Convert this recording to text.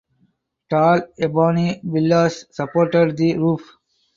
Tall ebony pillars supported the roof.